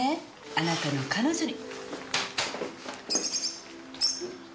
あなたの彼女に。